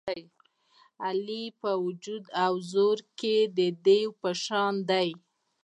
علي په وجود او زور کې د دېو په شان دی.